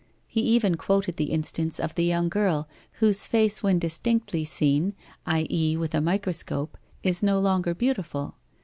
He even quoted the Instance of the young girl, whose face when distinctly seen, i.e. with a microscope, is no longer beautiful.